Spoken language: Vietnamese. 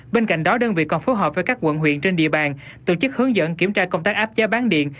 bên cạnh đó đơn vị còn phối hợp với các quận huyện trên địa bàn tổ chức hướng dẫn kiểm tra công tác áp giá bán điện